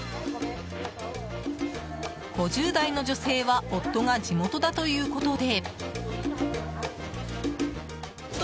５０代の女性は夫が地元だということで。